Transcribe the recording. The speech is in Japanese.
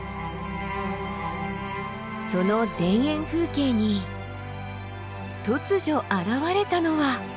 その田園風景に突如現れたのは。